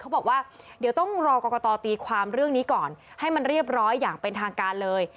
บอกว่าเดี๋ยวต้องรอกรกตตีความเรื่องนี้ก่อนให้มันเรียบร้อยอย่างเป็นทางการเลย